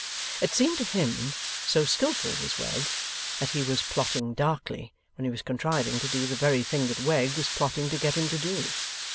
It seemed to him (so skilful was Wegg) that he was plotting darkly, when he was contriving to do the very thing that Wegg was plotting to get him to do.